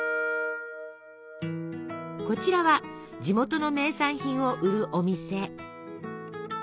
こちらは地元の名産品を売るお店。